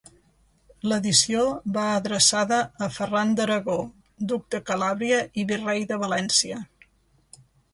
L'edició va adreçada a Ferran d'Aragó, duc de Calàbria i virrei de València.